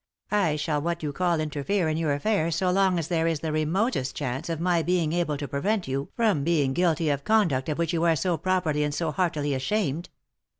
I shall what you call interfere in your affairs so long as there is the remotest chance of my being able to prevent you from being guilty of conduct of which you are so properly and so heartily ashamed."